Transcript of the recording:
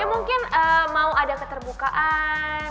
mungkin mau ada keterbukaan